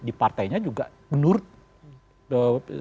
di partainya juga menurut